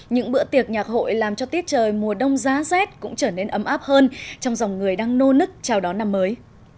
những bữa tiệc nhạc hội làm cho tiết trời mùa đông giá rét cũng trở nên ấm áp hơn trong dòng người đang nô nức chào đón năm mới